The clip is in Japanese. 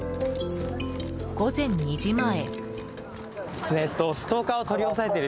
午前２時前。